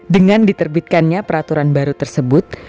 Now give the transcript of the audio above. dengan diterbitkannya peraturan baru tersebut